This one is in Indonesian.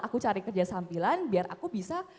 aku cari kerja sambilan biar aku bisa